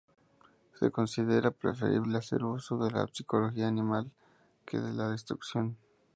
Se considera preferible hacer uso de la psicología animal que de la destrucción.